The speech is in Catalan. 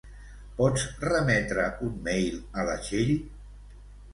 Pots remetre un mail a la Txell?